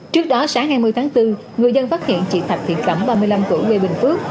trước đó sáng hai mươi tháng bốn người dân phát hiện chị thạch thiện cẩm ba mươi năm tuổi quê bình phước